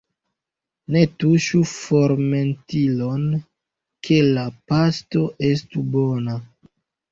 Ne tuŝu fermentilon, ke la pasto estu bona!